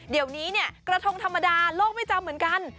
เดี๋ยวนี้เนี่ยกระทงธรรมดาโลกไม่จำเหมือนกัน